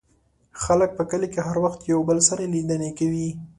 خلک په کلي کې هر وخت یو بل سره لیدنې کوي.